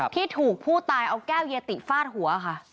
ที่ถูกผู้ตายเอาแก้วเยติฟาดหัวค่ะ